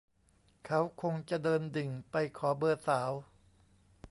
เขาคงจะเดินดิ่งไปขอเบอร์สาว